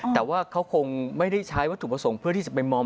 แต่ว่าเขาคงไม่ได้ใช้วัตถุประสงค์เพื่อที่จะไปมอม